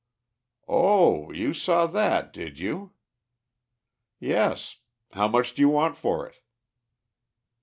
"Oh, you saw that, did you?" "Yes. How much do you want for it?"